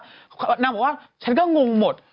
นางบอกว่าฉันก็งงหมด